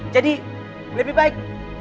jadi lebih baik